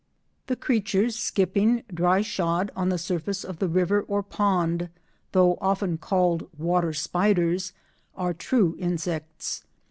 The creatures skipping, dry shod, on the surface of the river or pond, though often called water spiders, are true insects.